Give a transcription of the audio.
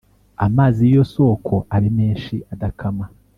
Amazi y'iyo soko Abe menshi adakama